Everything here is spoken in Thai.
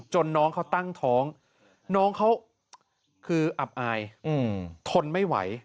น้องเขาตั้งท้องน้องเขาคืออับอายทนไม่ไหว